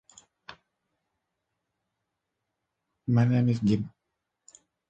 This contained illustrations and brief descriptions of South African plants.